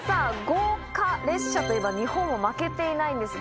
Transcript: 豪華列車といえば日本も負けていないんです。